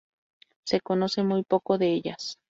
Se conoce muy poco de ellas.